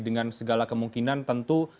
dengan segala kemungkinan tentu